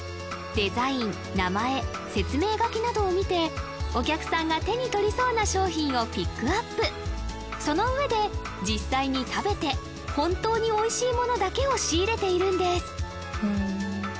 デザイン名前説明書きなどを見てお客さんが手に取りそうな商品をピックアップその上で実際に食べて本当においしいものだけを仕入れているんです